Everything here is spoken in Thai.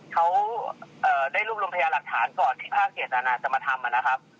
เขาได้รวบรวมพยาหลักฐานก่อนที่ภาคเจตนาจะมาทำนะครับ